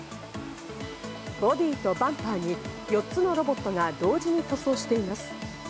ボディーとバンパーに４つのロボットが同時に塗装しています。